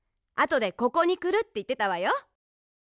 あとでここにくるっていってたわよ。